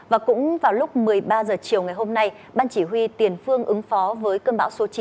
và cũng vào lúc một mươi ba h chiều ngày hôm nay ban chỉ huy tiền phương ứng phó với cơn bão số chín